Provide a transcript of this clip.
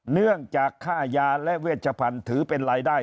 เนื่องจากค่ายาและเวชพันธุ์ถือเป็นรายได้